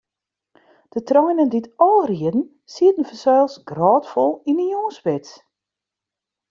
De treinen dy't ál rieden, sieten fansels grôtfol yn 'e jûnsspits.